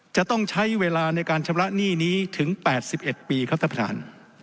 จะต้องใช้เวลาในการชำระหนี้นี้ถึง๘๑ปีครับท่านประธาน